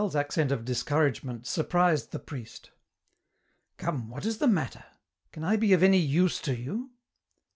Durtal's accent of discouragement surprised the priest. " Come, what is the matter ? Can I be of any use to you